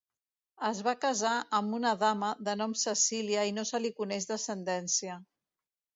Es va casar amb una dama de nom Cecília i no se li coneix descendència.